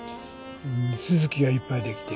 ススキがいっぱいできて。